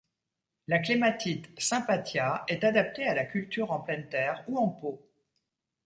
La clématite 'Sympatia' est adaptée à la culture en pleine terre ou en pot.